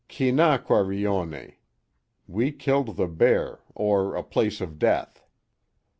Ki na qua ri o ne — We killed the bear, or a place of death.